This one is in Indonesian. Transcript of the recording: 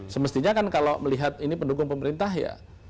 semestinya kan kalau melihat ini pendukung pemerintah ya